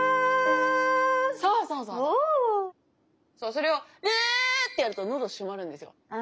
それをるってやると喉閉まるんですよ。